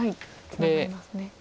ツナがりますね。